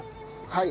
はい。